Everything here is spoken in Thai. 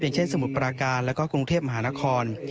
เช่นสมุทรปราการแล้วก็กรุงเทพมหานคร